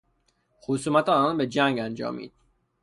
خصومت آنان به جنگ انجامید.